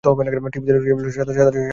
টিপ দিলে সাদা শালের মত বের হয়।